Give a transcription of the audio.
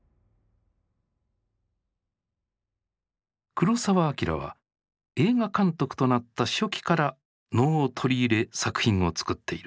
黒澤明は映画監督となった初期から能を取り入れ作品を作っている。